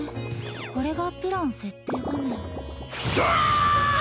これがプラン設定画面。